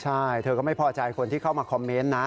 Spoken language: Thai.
ใช่เธอก็ไม่พอใจคนที่เข้ามาคอมเมนต์นะ